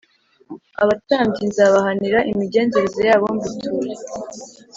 abatambyi nzabahanira imigenzereze yabo mbiture